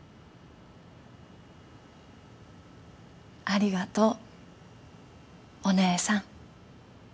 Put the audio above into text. ありがとうお姉さん。